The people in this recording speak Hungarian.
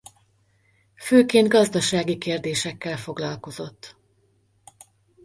Főként gazdasági kérdésekkel foglalkozott.